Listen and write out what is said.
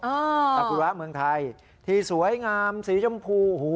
สากุระเมืองไทยที่สวยงามสีชมพู